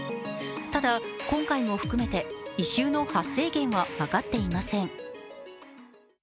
ただ今回も含めて異臭の発生源は分かっていません。